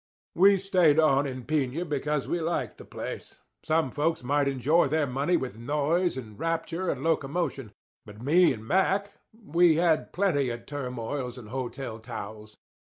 We stayed on in Piña because we liked the place. Some folks might enjoy their money with noise and rapture and locomotion; but me and Mack we had had plenty of turmoils and hotel towels.